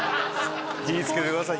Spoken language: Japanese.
気いつけてください